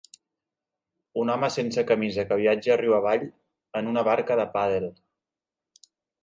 Un home sense camisa que viatja riu avall en una barca de pàdel